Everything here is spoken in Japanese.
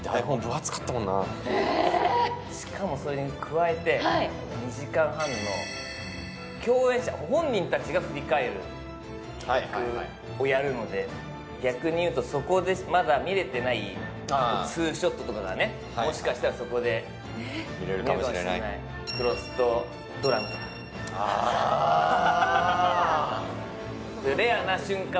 しかもそれに加えて２時間半の共演者本人達が振り返る企画をやるので逆に言うとそこでまだ見れてないツーショットとかがねもしかしたらそこで見れるかもしれない黒須とドラムとかあっいや